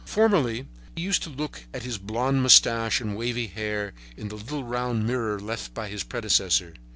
Formerly he used to look at his blond mustache and wavy hair in the little round mirror left by his predecessor.